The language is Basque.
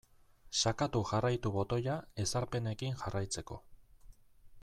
Sakatu jarraitu botoia ezarpenekin jarraitzeko.